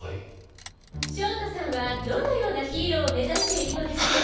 ショートさんはどのようなヒーローを目指しているのでしょう！？